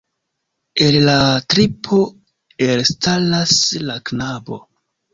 El la triopo elstaras la knabo.